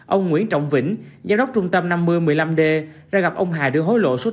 ông nguyễn trọng vĩnh giám đốc trung tâm năm nghìn một mươi năm d ra gặp ông hà đưa hối lộ số tiền một trăm linh triệu đồng